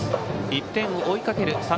１点を追いかける